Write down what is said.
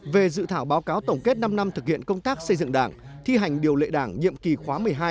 về dự thảo báo cáo tổng kết năm năm thực hiện công tác xây dựng đảng thi hành điều lệ đảng nhiệm kỳ khóa một mươi hai